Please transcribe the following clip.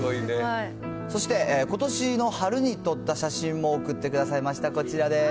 そしてことしの春に撮った写真も送ってくださいました、こちらです。